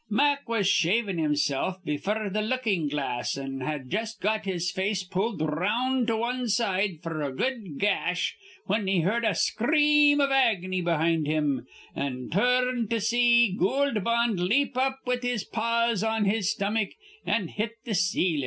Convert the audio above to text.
Mack was shavin' himsilf befure th' lookin' glass, an' had jus' got his face pulled r round to wan side f'r a good gash, whin he heerd a scream iv ag'ny behind him, an' tur rned to see Goold Bonds leap up with his paws on his stomach an' hit th' ceilin'.